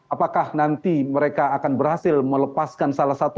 apakah nanti mereka akan berhasil melepaskan salah satu